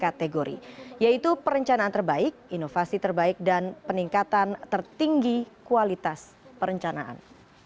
kabupaten kota atas tiga kategori yaitu perencanaan terbaik inovasi terbaik dan peningkatan tertinggi kualitas perencanaan